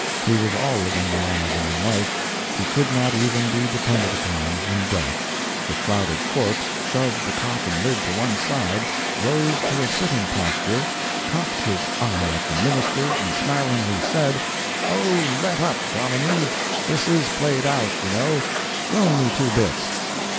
He was always unreliable in life—he could not even be depended upon in death. The shrouded corpse shoved the coffin lid to one side, rose to a sitting posture, cocked his eye at the minister and smilingly said, "O let up, Dominie, this is played out, you know—loan me two bits!"